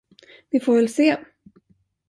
Vi får väl se.